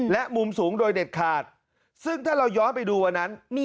และมุมสูงโดยเด็ดขาดซึ่งถ้าเราย้อนไปดูวันนั้น